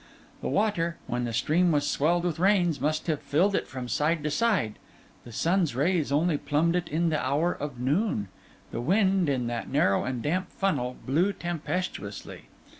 The water, when the stream was swelled with rains, must have filled it from side to side; the sun's rays only plumbed it in the hour of noon; the wind, in that narrow and damp funnel, blew tempestuously.